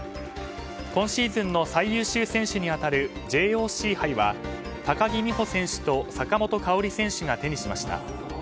今シーズンの最優秀選手に当たるＪＯＣ杯は高木美帆選手と坂本花織選手が手にしました。